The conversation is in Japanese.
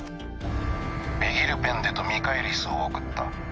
ベギルペンデとミカエリスを送った。